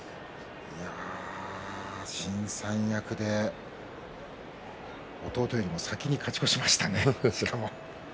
新三役で弟よりも先に勝ち越しましたね。